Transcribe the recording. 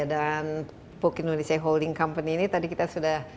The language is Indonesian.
salah satu dari kantor pupuk indonesia dan pupuk indonesia holding company ini tadi kita sudah